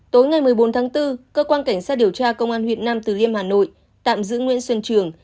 tối ngày một mươi bốn tháng bốn cơ quan cảnh sát điều tra công an huyện nam từ liêm hà nội tạm giữ nguyễn xuân trường